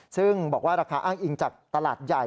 ซึ่งบอกว่าราคาอ้างอิงจากตลาดใหญ่